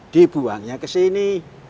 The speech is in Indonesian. dibuangnya ke sini